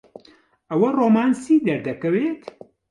ئەوە ڕۆمانسی دەردەکەوێت؟